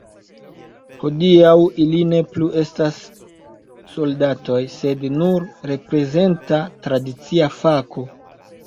Hodiaŭ ili ne estas plu soldatoj, sed nur reprezenta tradicia fako.